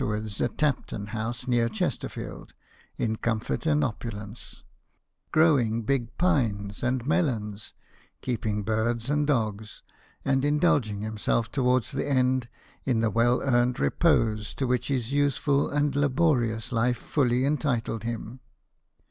wards at Tapton House, near Chesterfield, in comfort and opulence ; growing big pines and melons, keeping birds and dogs, and indulging himself towards the end in the well earned repose to which his useful and laborious life fully entitled him.